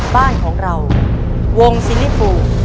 บ้านของเราวงซิลิฟู